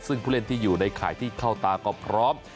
ซึ่งผู้เล่นที่อยู่ในข่ายที่เข้าตาก็พร้อม